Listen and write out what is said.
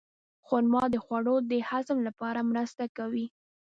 خرما د خوړو د هضم لپاره مرسته کوي.